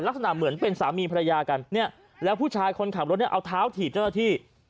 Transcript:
ลักษณะเหมือนเป็นสามีภรรยากันเนี่ยแล้วผู้ชายคนขับรถเนี่ยเอาเท้าถีบเจ้าหน้าที่